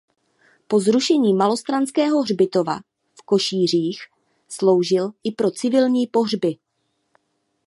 Po zrušení Malostranského hřbitova v Košířích sloužil i pro civilní pohřby.